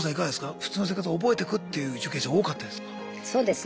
普通の生活を覚えてくっていう受刑者多かったですか？